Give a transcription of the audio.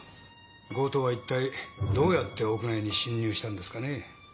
強盗はいったいどうやって屋内に侵入したんですかね。